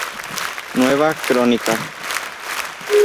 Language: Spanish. Nueva crónica